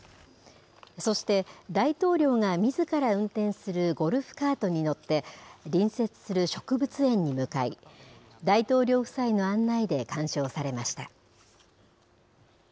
そして、大統領がみずから運転するゴルフカートに乗って、隣接する植物園に向かい、大統領夫妻の案内で鑑賞されました。